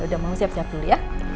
udah mau siap siap dulu ya